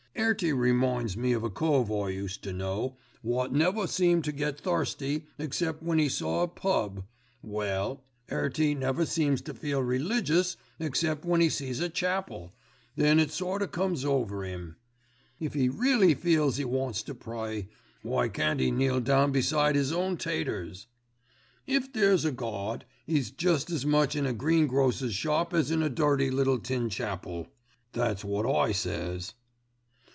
"'Earty reminds me of a cove I used to know wot never seemed to get thirsty except when 'e saw a pub; well, 'Earty never seems to feel religious except when 'e sees a chapel, then it sort o' comes over 'im. If 'e really feels 'e wants to pray, why can't 'e kneel down beside 'is own 'taters. If there's a Gawd, 'e's just as much in a greengrocer's shop as in a dirty little tin chapel, that's wot I says."